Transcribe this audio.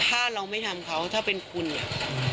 เข้าใจไหมถ้าเราไม่ทำเขาถ้าเป็นคุณเนี่ย